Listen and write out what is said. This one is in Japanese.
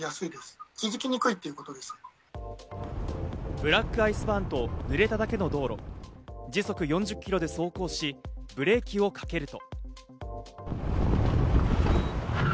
ブラックアイスバーンと、濡れただけの道路、時速４０キロで走行しブレーキをかけると。